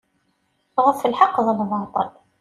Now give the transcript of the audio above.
Ɣef lḥeq d lbaṭṭel.